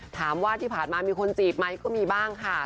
ถามว่าที่ผ่านมามีคนจีบไหมก็มีบ้างค่ะ